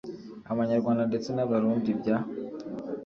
abanyarwanda ndetse n'abarundi bya